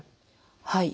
はい。